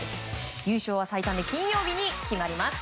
優勝は最短で金曜日に決まります。